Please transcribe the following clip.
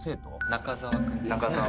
中澤君です。